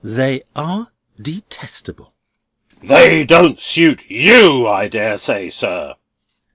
They are detestable." "They don't suit you, I dare say, sir."